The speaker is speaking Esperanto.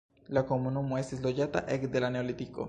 La komunumo estis loĝata ekde la neolitiko.